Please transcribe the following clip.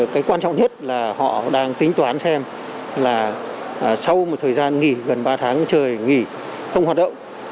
cái quan trọng nhất là họ đang tính toán xem là sau một thời gian nghỉ gần ba tháng trời nghỉ không hoạt động